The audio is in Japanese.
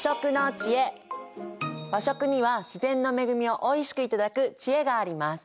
和食には自然の恵みをおいしく頂く知恵があります。